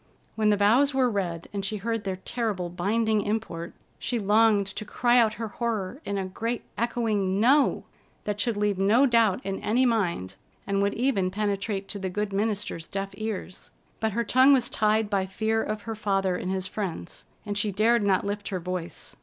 When the vows were read, and she heard their terrible binding import, she longed to cry out her horror in a great, echoing, "No!" that should leave no doubt in any mind, and would even penetrate to the good minister's deaf ears. But her tongue was tied by fear of her father and his friends, and she dared not lift her voice.